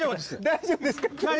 大丈夫です。